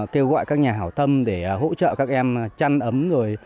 kêu gọi các nhà hảo tâm để hỗ trợ các em chăn ấm rồi